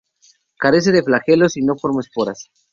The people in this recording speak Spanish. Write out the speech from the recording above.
Carece de flagelos y no forma esporas.